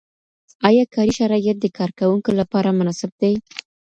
آیا کاري شرایط د کارکوونکو لپاره مناسب دي؟